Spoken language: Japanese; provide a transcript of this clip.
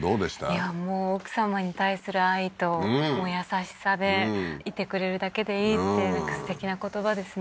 いやもう奥さまに対する愛と優しさでいてくれるだけでいいってなんかすてきな言葉ですね